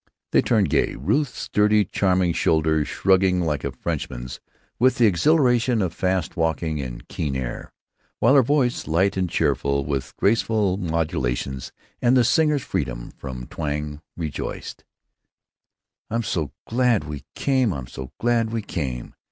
They turned gay, Ruth's sturdy, charming shoulders shrugging like a Frenchman's with the exhilaration of fast walking and keen air, while her voice, light and cheerful, with graceful modulations and the singer's freedom from twang, rejoiced: "I'm so glad we came! I'm so glad we came!